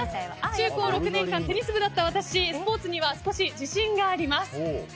中高６年間、テニス部だった私スポーツには少し自信があります。